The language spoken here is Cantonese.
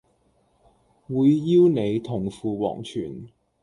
會邀你同赴黃泉